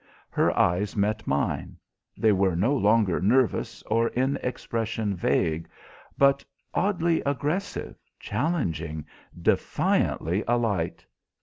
Her eyes met mine. They were no longer nervous or in expression vague; but oddly aggressive, challenging, defiantly alight.